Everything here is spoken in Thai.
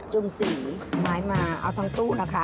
ุ่มสีไม้มาเอาทั้งตู้นะคะ